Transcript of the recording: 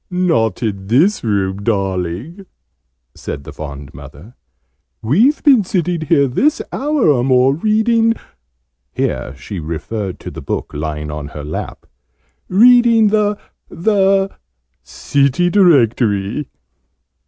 "Not in this room, darling!" said the fond mother. "We've been sitting here this hour or more, reading ," here she referred to the book lying on her lap, " reading the the City Directory."